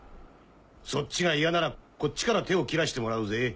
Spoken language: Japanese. そっちが嫌ならこっちから手を切らしてもらうぜ。